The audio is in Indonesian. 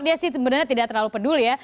dia sih sebenarnya tidak terlalu peduli ya